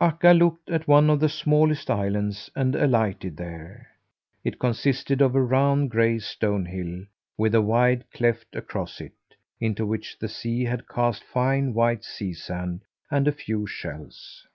Akka looked at one of the smallest islands and alighted there. It consisted of a round, gray stone hill, with a wide cleft across it, into which the sea had cast fine, white sea sand and a few shells.